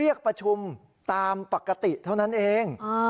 เรียกประชุมตามปกติเท่านั้นเอง